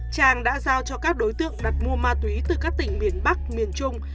trang đã giao cho các đối tượng đặt mua ma túy từ các tỉnh miền bắc miền trung